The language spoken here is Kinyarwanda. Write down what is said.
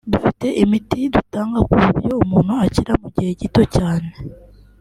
dufite imiti dutanga ku buryo umuntu akira mu gihe gito cyane”